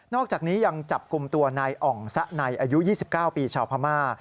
อกจากนี้ยังจับกลุ่มตัวนายอ่องซะในอายุ๒๙ปีชาวพม่า